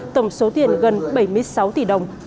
tổng số tiền gần bảy mươi sáu tỷ đồng